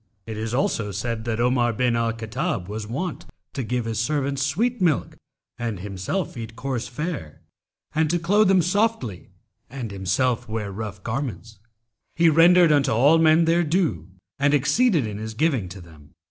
'[FN#279] It is also said that Omar bin al Khattab was wont to give his servants sweet milk and himself eat coarse fare, and to clothe them softly and himself wear rough garments. He rendered unto all men their due, and exceeded in his giving to them.